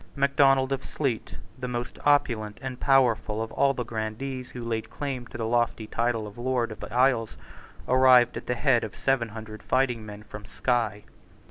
Macdonald of Sleat, the most opulent and powerful of all the grandees who laid claim to the lofty title of Lord of the Isles, arrived at the head of seven hundred fighting men from Sky.